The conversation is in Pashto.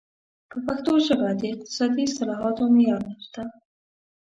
په پښتو ژبه د اقتصادي اصطلاحاتو معیار نشته.